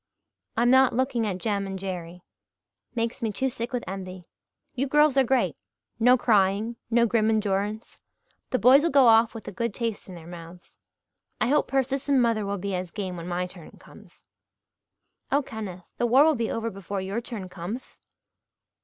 I'm not looking at Jem and Jerry makes me too sick with envy. You girls are great no crying, no grim endurance. The boys'll go off with a good taste in their mouths. I hope Persis and mother will be as game when my turn comes." "Oh, Kenneth the war will be over before your turn cometh."